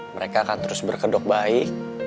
mereka akan terus berkedok baik